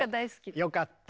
よかった。